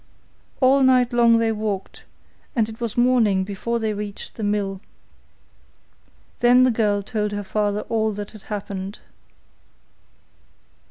All night long they walked, and it was morning before they reached the mill. Then the girl told her father all that had happened.